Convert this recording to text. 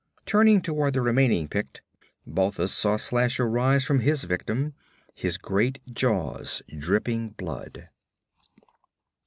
Turning toward the remaining Pict, Balthus saw Slasher rise from his victim, his great jaws dripping blood.